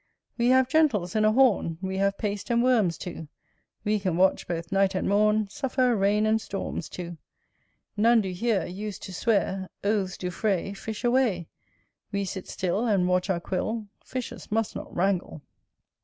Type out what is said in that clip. We have gentles in a horn, We have paste and worms too We can watch both night and morn, Suffer rain and storms too; None do here Use to swear; Oaths do fray Fish away; We sit still, And watch our quill Fishers must not wrangle.